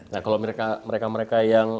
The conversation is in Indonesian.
nah kalau mereka mereka yang